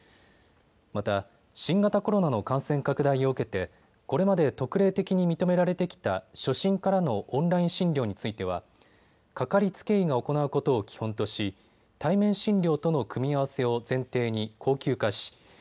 また、新型コロナの感染拡大を受けてこれまで特例的に認められてきた初診からのオンライン診療についてはかかりつけ医が行うことを基本とし対面診療との組み合わせを前提に恒久化し